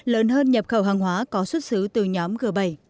lớn hơn nhập khẩu hàng hóa có xuất xứ từ nhóm g bảy